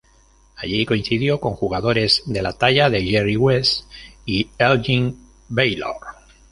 Allí coincidió con jugadores de la talla de Jerry West y Elgin Baylor.